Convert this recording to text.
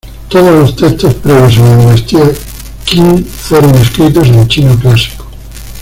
Todos los textos previos a la dinastía Qin fueron escritos en chino clásico.